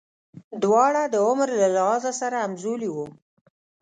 دواړه د عمر له لحاظه سره همزولي وو.